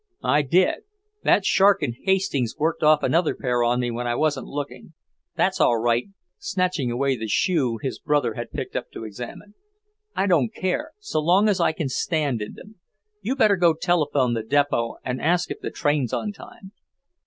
"I did. That shark in Hastings worked off another pair on me when I wasn't looking. That's all right," snatching away the shoe his brother had picked up to examine. "I don't care, so long as I can stand in them. You'd better go telephone the depot and ask if the train's on time."